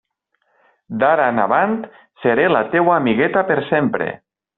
D'ara en avant seré la teua amigueta per sempre.